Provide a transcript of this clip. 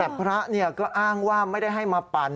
แต่พระก็อ้างว่าไม่ได้ให้มาปั่น